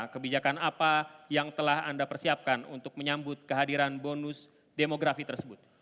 kebijakan apa yang telah anda persiapkan untuk menyambut kehadiran bonus demografi tersebut